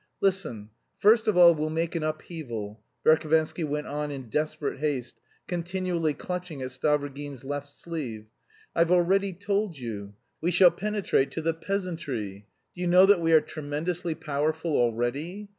"Listen. First of all we'll make an upheaval," Verhovensky went on in desperate haste, continually clutching at Stavrogin's left sleeve. "I've already told you. We shall penetrate to the peasantry. Do you know that we are tremendously powerful already?